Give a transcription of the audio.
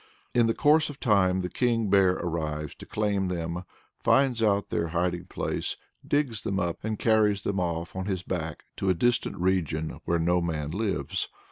In the course of time the King Bear arrives to claim them, finds out their hiding place, digs them up, and carries them off on his back to a distant region where no man lives.